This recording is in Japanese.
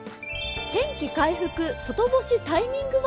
天気回復外干しタイミングは？